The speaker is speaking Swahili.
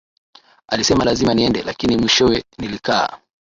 Alisema lazima niende, lakini mwishowe nilikaa